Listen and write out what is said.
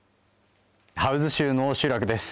ハウズ州の集落です。